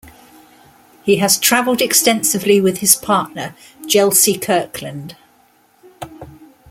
He has traveled extensively with his partner, Gelsey Kirkland.